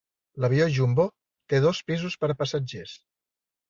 L'avió Jumbo té dos pisos per a passatgers.